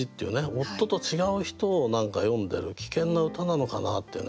夫と違う人を詠んでる危険な歌なのかなっていうね。